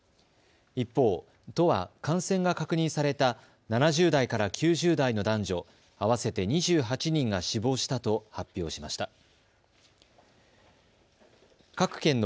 一方、都は感染が確認された７０代から９０代の男女合わせて２８人が死亡したと発表しました。